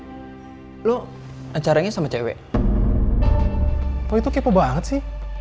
mendingan gini deh lo cari cewe atau cari kegiatan apa gitu